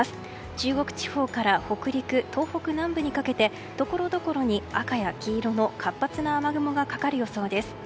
中国地方から北陸東北南部にかけてところどころに赤や黄色の活発な雨雲がかかる予想です。